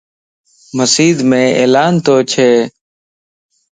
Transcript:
مسيڌم عيلان توچهه